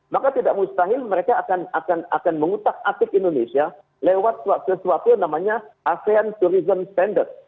maka tidak mustahil mereka akan mengutak atik indonesia lewat sesuatu yang namanya asean tourism standard